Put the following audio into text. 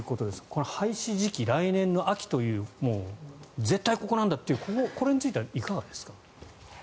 この廃止時期、来年の秋という絶対ここなんだというこれについてはいかがですか。